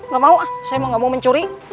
gak mau ah saya mau gak mau mencuri